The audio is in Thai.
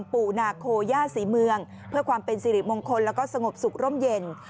เพื่อความเป็นสิริมงคลและสงบสุขร่มเย็น